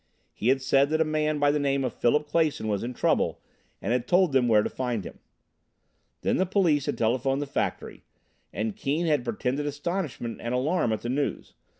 He had said that a man by the name of Philip Clason was in trouble and had told them where to find him. Then the police had telephoned the factory, and Keane had pretended astonishment and alarm at the news.